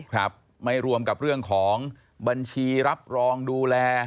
ครับไม่รวมกับเรื่องของบัญชีรับรองดูแล